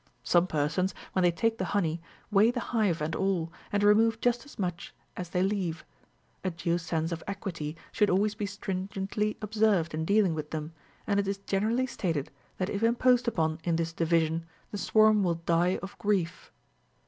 Some persons, when they take the honey, weigh the hive and all, and remove just as much as they leave : a due sense of equity should always be stringently observed in dealing with them, and it is generally stated that if imposed upon in this division, the swarm will die of grief.